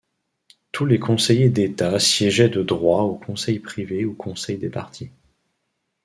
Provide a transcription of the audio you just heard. Tous les conseillers d'État siégeaient de droit au Conseil privé ou conseil des parties.